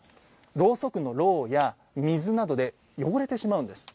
ろうそくのろうや、水などで汚れてしまうんです。